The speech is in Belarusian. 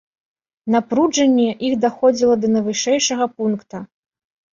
Напружанне іх даходзіла да найвышэйшага пункта.